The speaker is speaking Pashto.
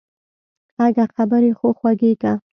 اگه خبرې خو خوږې که.